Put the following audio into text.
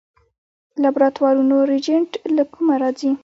د لابراتوارونو ریجنټ له کومه راځي؟